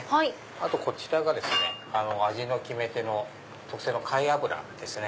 あとこちらが味の決め手の特製の貝油ですね。